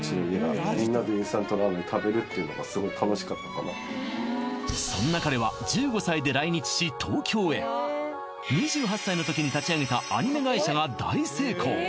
そんな生活の中彼のそんな彼は１５歳で来日し東京へ２８歳の時に立ち上げたアニメ会社が大成功